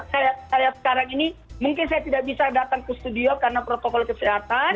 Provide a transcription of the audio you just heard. saya sekarang ini mungkin saya tidak bisa datang ke studio karena protokol kesehatan